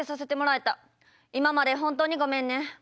今まで本当にごめんね。